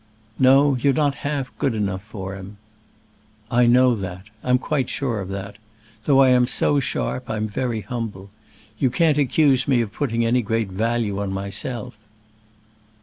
"No; you're not half good enough for him." "I know that. I'm quite sure of that. Though I am so sharp, I'm very humble. You can't accuse me of putting any very great value on myself."